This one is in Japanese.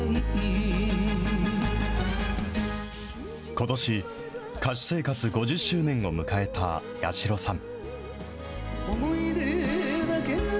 ことし、歌手生活５０周年を迎えた八代さん。